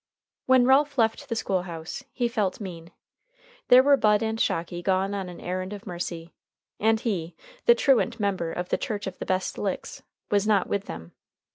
When Ralph left the school house he felt mean. There were Bud and Shocky gone on an errand of mercy, and he, the truant member of the Church of the Best Licks, was not with them.